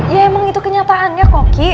ya emang itu kenyataannya kok ki